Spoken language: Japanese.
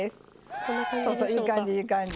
そうそういい感じいい感じ。